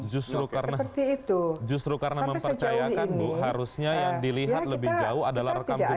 justru karena mempercayakan harusnya yang dilihat lebih jauh adalah rekam jejak